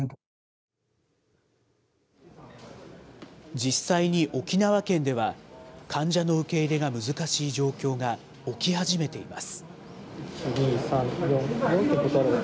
実際に沖縄県では、患者の受け入れが難しい状況が起き始めています。